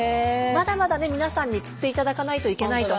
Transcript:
まだまだね皆さんに釣っていただかないといけないと。